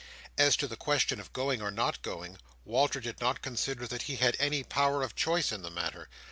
As to the question of going or not going, Walter did not consider that he had any power of choice in the matter.